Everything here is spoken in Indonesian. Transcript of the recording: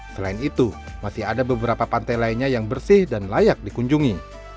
selain itu masih ada beberapa pantai lainnya yang bersih dan layak dikunjungi